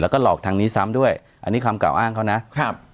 แล้วก็หลอกทางนี้ซ้ำด้วยอันนี้คำกล่าวอ้างเขานะครับ